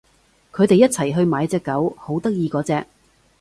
佢哋一齊去買隻狗，好得意嗰隻